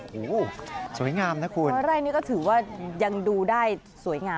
โอ้โฮสวยงามนะคุณ